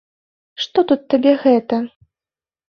Што тут табе гэта!